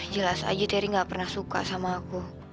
jelas aja terry gak pernah suka sama aku